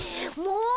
もう！